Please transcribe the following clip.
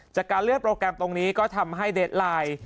จากการเลื่อนโปรแกรมตรงนี้ก็ทำให้เดสไลน์